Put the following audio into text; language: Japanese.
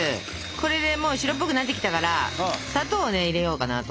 これでもう白っぽくなってきたから砂糖をね入れようかなと。